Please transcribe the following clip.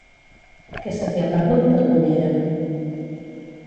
Què se t'hi ha perdut, a Cullera?